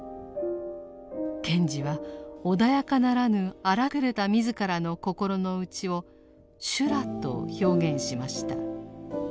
賢治は穏やかならぬ荒くれた自らの心の内を「修羅」と表現しました。